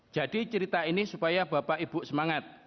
jadi cerita ini supaya bapak ibu semangat